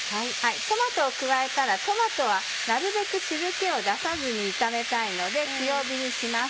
トマトを加えたらトマトはなるべく汁気を出さずに炒めたいので強火にします。